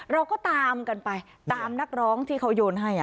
เราก็ตามกันไปตามนักร้องที่เขาโยนให้